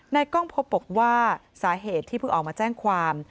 กล้องพบบอกว่าสาเหตุที่เพิ่งออกมาแจ้งความ